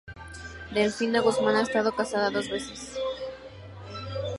Delfina Guzmán ha estado casada dos veces.